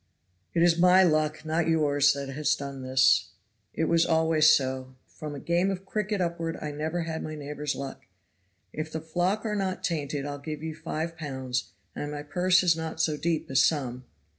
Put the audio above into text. "It is my luck not yours that has done this. It was always so. From a game of cricket upward I never had my neighbor's luck. If the flock are not tainted I'll give you five pounds, and my purse is not so deep as some.